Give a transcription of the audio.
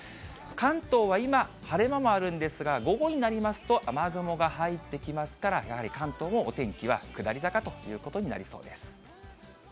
関東は今、晴れ間もあるんですが、午後になりますと雨雲が入ってきますから、やはり関東もお天気は下り坂ということになりそうです。